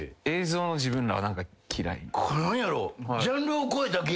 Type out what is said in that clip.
何やろう？